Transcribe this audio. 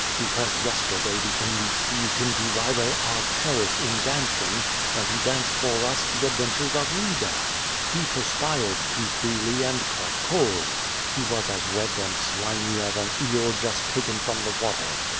l^ecause yesterday the envy seized him to rival our Paris in dancing, and he danced for us the adventures of Leda. He perspired too freely and caught cold. He was as wet and slimy as an eel just taken from the water.